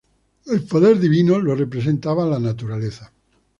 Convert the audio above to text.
El poder divino lo representaba la naturaleza.